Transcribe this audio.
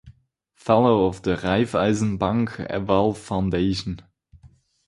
Fellow of the Raiffeisen Bank Aval Foundation.